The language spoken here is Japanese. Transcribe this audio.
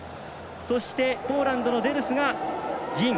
そしてポーランドのデルスが銀。